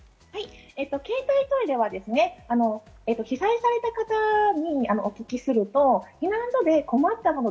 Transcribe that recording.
携帯トイレは被災された方にお聞きすると、避難所で困ったもの